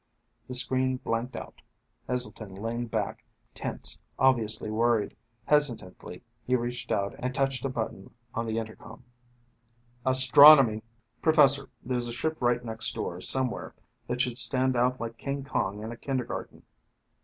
The screen blanked out. Heselton leaned back, tense, obviously worried. Hesitantly, he reached out and touched a button on the intercom. "Astronomy." "Professor, there's a ship right next door somewhere that should stand out like King Kong in a kindergarten."